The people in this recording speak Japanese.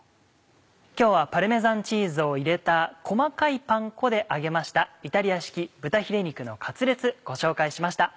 今日はパルメザンチーズを入れた細かいパン粉で揚げましたイタリア式「豚ヒレ肉のカツレツ」ご紹介しました。